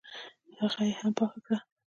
هغه یې هم پاکه کړه.